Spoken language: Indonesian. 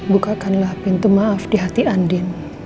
bukakanlah pintu maaf di hati andin